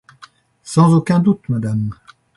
Sans aucun doute, madame.